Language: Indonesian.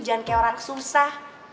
jangan kayak orang susah